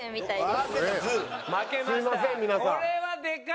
すみません皆さん。